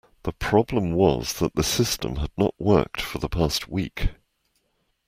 The problem was that the system had not worked for the past week